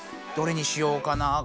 どれにしようかな？